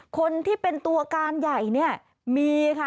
คนที่เป็นตัวการใหญ่มีค่ะ